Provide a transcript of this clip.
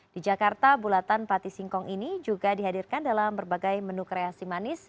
di jakarta bulatan pati singkong ini juga dihadirkan dalam berbagai menu kreasi manis